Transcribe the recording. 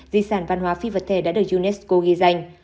di sản văn hóa phi vật thể đã được unesco ghi danh